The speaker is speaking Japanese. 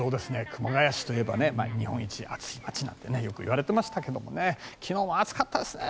熊谷市といえば日本一暑い街とよくいわれてましたけども昨日も暑かったですね。